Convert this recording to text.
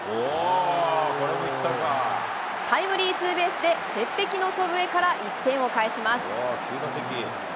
タイムリーツーベースで、鉄壁の祖父江から１点を返します。